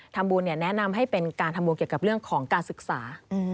ทำบุญแนะนำให้เป็นการทำบุญเกี่ยวกับเรื่องของการศึกษา